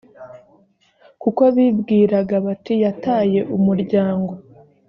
kuko bibwiraga bati yataye umuryango